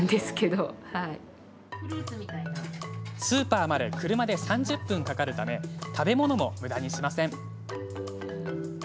スーパーまで車で３０分かかるため食べ物も、むだにしません。